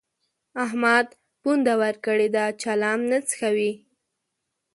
احمد پونده ورکړې ده؛ چلم نه څکوي.